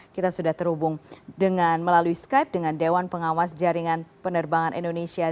kita sudah terhubung dengan melalui skype dengan dewan pengawas jaringan penerbangan indonesia